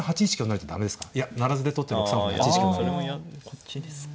こっちですか。